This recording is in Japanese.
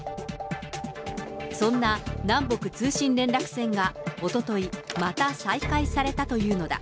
そんな南北通信連絡線がおととい、また再開されたというのだ。